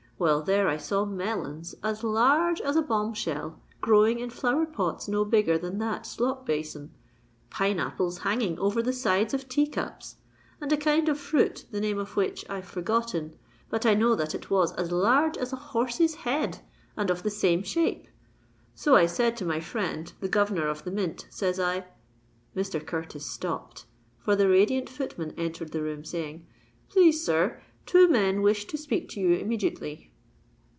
Well, there I saw melons as large as a bumb shell growing in flower pots no bigger than that slop bason—pine apples hanging over the sides of tea cups—and a kind of fruit the name of which I've forgotten; but I know that it was as large as a horse's head, and of the same shape. So I said to my friend the Governor of the Mint, says I——" Mr. Curtis stopped; for the radiant footman entered the room, saying, "Please, sir, two men wish to speak to you immediately."